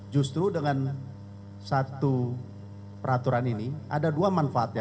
justru dengan satu peraturan ini ada dua manfaatnya